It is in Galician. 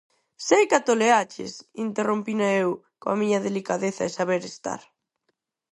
Seica toleaches?, interrompina eu, coa miña delicadeza e saber estar.